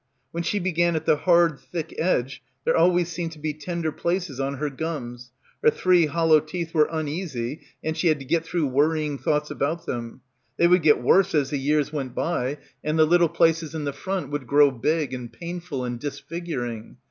When she began at the hard thick edge there always seemed to be tender places on her gums, her three hollow teeth were uneasy and she had to get througjh worrying thoughts about them — they would get worse as the years went by, 83 PILGRIMAGE and the little places in the front would grow big and painful and disfiguring.